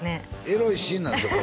エロいシーンなんですよ